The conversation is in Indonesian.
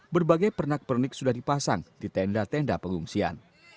berbagai pernak pernik sudah dipasang di tenda tenda pengungsian